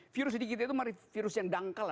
virus di kita itu virus yang dangkal